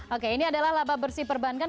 oke ini adalah laba bersih perbankan